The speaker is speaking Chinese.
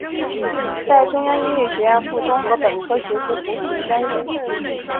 在中央音乐学院附中和本科学习胡琴专业。